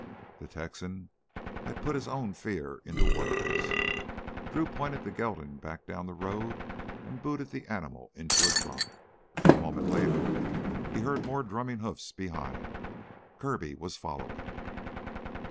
The Texan had put his own fear into words. Drew pointed the gelding back down the road and booted the animal into a trot. A moment later he heard more drumming hoofs behind him; Kirby was following.